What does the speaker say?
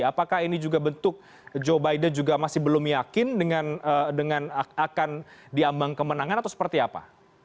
apakah ini juga bentuk joe biden juga masih belum yakin dengan akan diambang kemenangan atau seperti apa